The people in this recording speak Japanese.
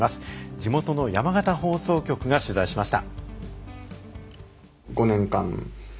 地元の山形放送局が取材しました。